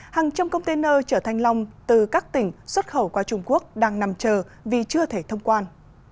hàng trăm container chở thanh long từ các tỉnh xuất khẩu qua trung quốc đang nằm chờ vì chưa thể thông quan